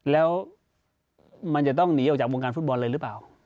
แล้วมันจะต้องหนีออกจากวงการฟุตบอลเลยหรือเปล่า